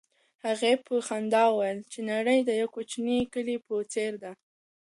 هغې په خندا وویل چې نړۍ د یو کوچني کلي په څېر ده.